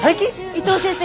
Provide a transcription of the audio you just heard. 伊藤先生